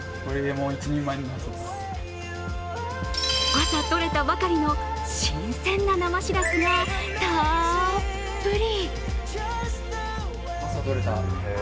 朝、とれたばかりの新鮮な生しらすがたっぷり。